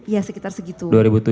ya sekitar segitu